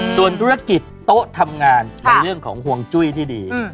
ส่วนธุรกิจโต๊ะทำงานในเรื่องของห่วงจุ้ยที่ดี